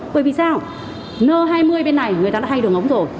bởi vì sao nơ hai mươi bên này người ta đã hay đường ống rồi